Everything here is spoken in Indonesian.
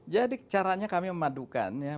jadi caranya kami memadukan ya